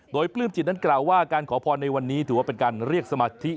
โดยปลื้มจิตนั้นกล่าวว่าการขอพรในวันนี้ถือว่าเป็นการเรียกสมาธิ